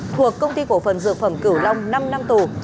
thuộc công ty cổ phần dược phẩm cửu long năm năm tù